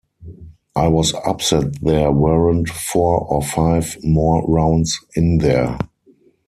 I was upset there weren't four or five more rounds in there.